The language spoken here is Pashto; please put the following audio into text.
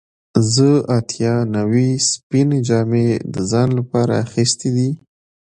زه اتیا نوي سپینې جامې د ځان لپاره اخیستې دي.